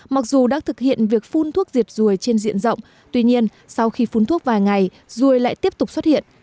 mặc dù đã thực hiện việc phun thuốc diệt ruồi trên diện rộng tuy nhiên sau khi phun thuốc vài ngày ruồi lại tiếp tục xuất hiện